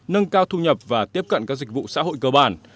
nâng cao thu nhập và tiếp cận các dịch vụ xã hội cơ bản